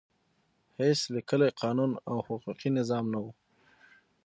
هېڅ لیکلی قانون او حقوقي نظام نه و.